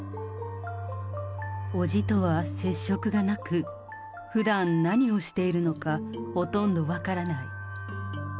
伯父とは接触がなく、ふだん、何をしているのか、ほとんど分からない。